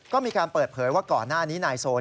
ก็มีการเปิดเผยว่าก่อนหน้านี้นายโซน